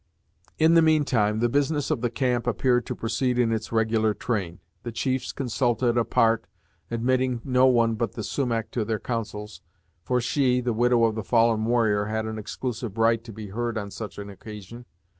In the mean time the business of the camp appeared to proceed in its regular train. The chiefs consulted apart, admitting no one but the Sumach to their councils, for she, the widow of the fallen warrior, had an exclusive right to be heard on such an occasion.